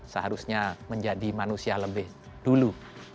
seharusnya menjadi manusia lebih dulu